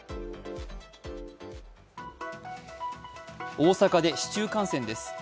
大阪で市中感染です。